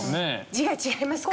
字が違いますか？